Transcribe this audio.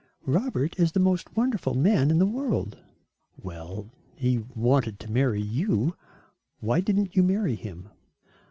"Robert is the most wonderful man in the world." "Well, he wanted to marry you; why didn't you marry him?"